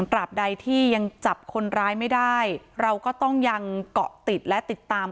ตราบใดที่ยังจับคนร้ายไม่ได้เราก็ต้องยังเกาะติดและติดตาม